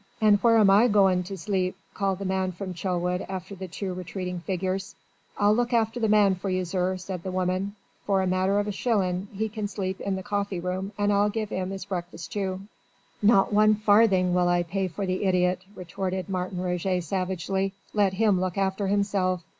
"And where am I goin' to zleep?" called the man from Chelwood after the two retreating figures. "I'll look after the man for you, zir," said the woman; "for a matter of a shillin' 'e can sleep in the coffee room, and I'll give 'im 'is breakfast too." "Not one farthing will I pay for the idiot," retorted Martin Roget savagely. "Let him look after himself."